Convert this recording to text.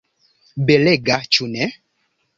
Belega, ĉu ne?